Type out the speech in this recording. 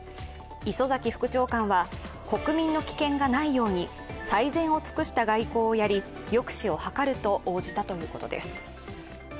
磯崎副長官は国民の危険がないように最善を尽くした外交をやり抑止を図ると応じたということです。